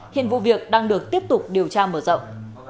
hiện vụ việc đang được tiếp tục điều tra mở rộng